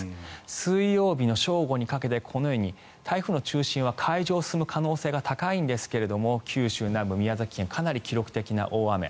水曜日の正午にかけてこのように台風の中心は海上を進む可能性が高いんですが九州南部、宮崎県かなり記録的な大雨。